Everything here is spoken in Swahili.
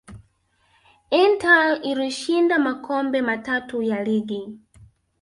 inter ilishinda makombe matatu ya ligi